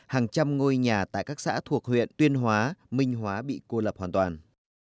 hàng trăm ngôi nhà tại các xã thuộc huyện tuyên hóa minh hóa bị cô lập hoàn toàn